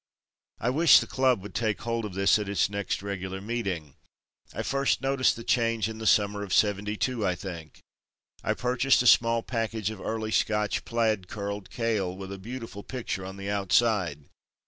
I wish the club would take hold of this at its next regular meeting. I first noticed the change in the summer of '72, I think. I purchased a small package of early Scotch plaid curled kale with a beautiful picture on the outside.